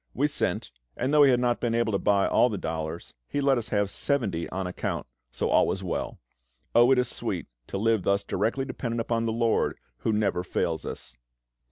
We sent, and though he had not been able to buy all the dollars, he let us have seventy on account; so all was well. Oh, it is sweet to live thus directly dependent upon the LORD, who never fails us!